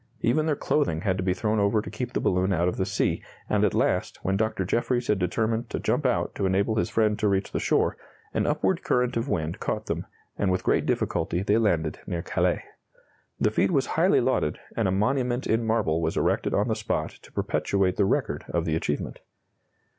Even their clothing had to be thrown over to keep the balloon out of the sea, and at last, when Dr. Jeffries had determined to jump out to enable his friend to reach the shore, an upward current of wind caught them and with great difficulty they landed near Calais. The feat was highly lauded and a monument in marble was erected on the spot to perpetuate the record of the achievement.